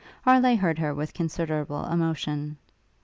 Harleigh heard her with considerable emotion.